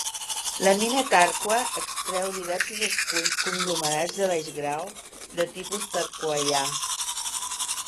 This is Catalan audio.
La mina Tarkwa extreu diversos "esculls" conglomerats de baix grau de tipus tarkwaià.